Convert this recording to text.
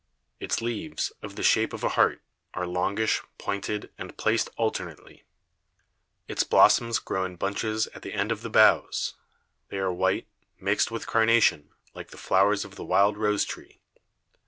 Its Leaves, of the Shape of a Heart, are longish, pointed, and placed alternately; its Blossoms grow in Bunches at the end of the Boughs, they are white, mix'd with Carnation, like the Flowers of the wild Rose Tree.